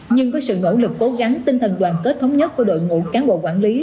nhưng với sự nỗ lực cố gắng tinh thần đoàn kết thống nhất của đội ngũ cán bộ quản lý